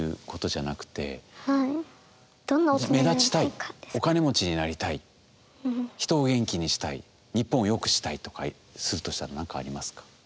目立ちたいお金持ちになりたい人を元気にしたい日本をよくしたいとかするとしたら何かありますか？